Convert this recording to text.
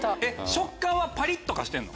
食感はパリっとかしてんの？